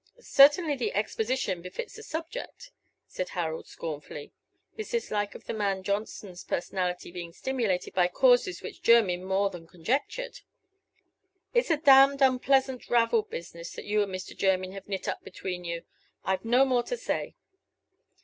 "Certainly, the exposition befits the subject," said Harold, scornfully, his dislike of the man Johnson's personality being stimulated by causes which Jermyn more than conjectured. "It's a damned, unpleasant, ravelled business that you and Mr. Jermyn have knit up between you. I've no more to say."